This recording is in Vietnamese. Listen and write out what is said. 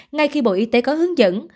ngay khi bộ y tế có hướng dẫn